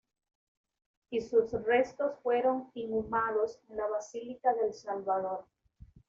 Y sus restos fueron inhumados en la Basílica del Salvador.